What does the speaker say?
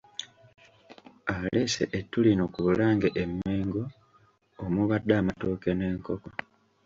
Aleese ettu lino ku Bulange e Mengo omubadde amatooke n'enkoko.